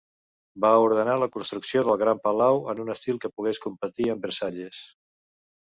Va ordenar la construcció del gran palau en un estil que pogués competir amb Versalles.